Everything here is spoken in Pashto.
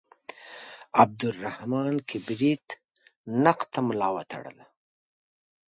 عبدالرحمان کبریت نقد ته ملا وتړله.